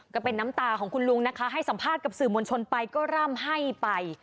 ก็เป็นน้ำตาของคุณลุงนะคะให้สัมภาษณ์กับสื่อมวลชนไปก็ร่ำให้ไป